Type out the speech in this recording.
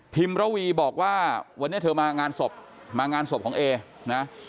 ระวีบอกว่าวันนี้เธอมางานศพมางานศพของเอนะ